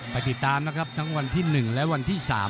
ไปติดตามนะครับทั้งวันที่๑และวันที่๓